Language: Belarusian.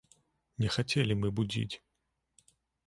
Не хацелі мы будзіць.